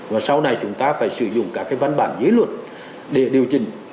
và sau này chúng ta phải sử dụng các cái văn bản dưới luật để điều chỉnh